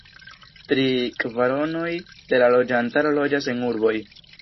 Tri kvaronoj de la loĝantaro loĝas en urboj.